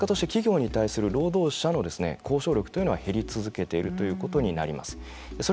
結果として企業に対する労働者の交渉力というのは減り続けているということになります。